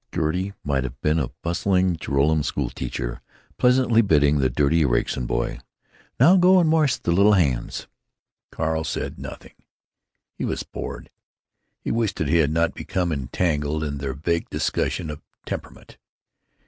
Gertie might have been a bustling Joralemon school teacher pleasantly bidding the dirty Ericson boy, "Now go and wash the little hands." Carl said nothing. He was bored. He wished that he had not become entangled in their vague discussion of "temperament."